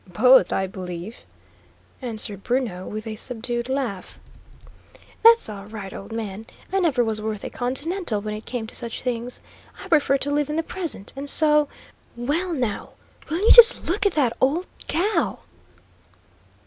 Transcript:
"Both, I believe," answered Bruno, with a subdued laugh. "That's all right, old man. I never was worth a continental when it came to such things. I prefer to live in the present, and so well, now, will you just look at that old cow!"